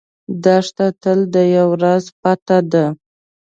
دښته تل د یو راز پټه ده.